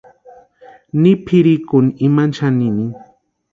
Ni pʼirhikʼuni imani xaninini.